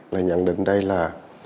là nhận định đây là